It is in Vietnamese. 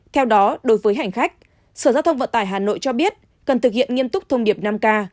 theo đó đối với hành khách sở giao thông vận tải hà nội cho biết cần thực hiện nghiêm túc thông điệp năm k